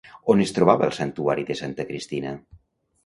On es trobava el Santuari de Santa Cristina?